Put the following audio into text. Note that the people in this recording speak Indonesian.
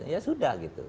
ya sudah gitu